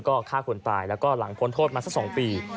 ก็ฆ่าคนตายแล้วก็หลังพ้นโทษมาสัก๒ปี